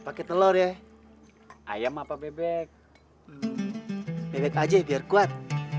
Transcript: pakai telur ya ayam apa bebek bebek aja biar kuat